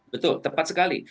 betul tepat sekali